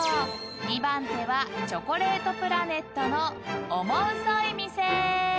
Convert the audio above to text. ［２番手はチョコレートプラネットのオモウソい店］